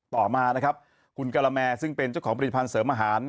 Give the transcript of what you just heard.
ต่อมานะครับคุณกะละแมซึ่งเป็นเจ้าของผลิตภัณฑ์เสริมอาหาร